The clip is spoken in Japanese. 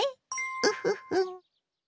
ウフフ。